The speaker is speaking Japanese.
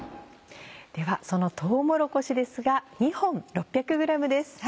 ではそのとうもろこしですが２本６００ｇです。